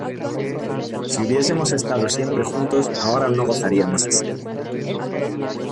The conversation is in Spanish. si hubiésemos estado siempre juntos, ahora no gozaríamos así.